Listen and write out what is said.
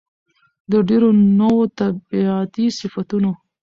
د ډېرو نوو طبيعتي صفتونو